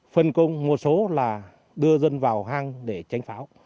phân công một số là đưa dân vào hang để tránh pháo